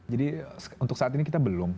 jadi untuk saat ini kita belum